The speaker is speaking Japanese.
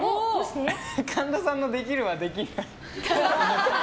神田さんのできるは、できない。